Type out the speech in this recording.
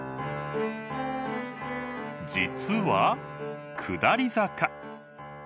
実は下り坂。